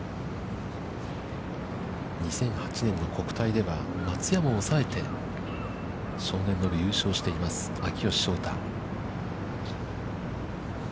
２００８年の国体では、松山をおさえて優勝しています、秋吉翔太。